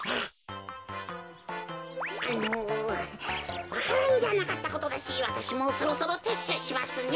あのわか蘭じゃなかったことだしわたしもそろそろてっしゅうしますね。